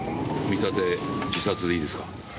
見立て自殺でいいですか？